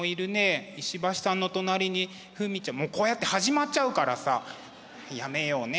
石橋さんの隣にこうやって始まっちゃうからさやめようね。